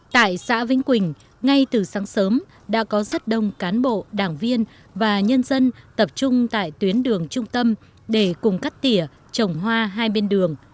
tại xã vĩnh quỳnh ngay từ sáng sớm đã có rất đông cán bộ đảng viên và nhân dân tập trung tại tuyến đường trung tâm để cùng cắt tỉa trồng hoa hai bên đường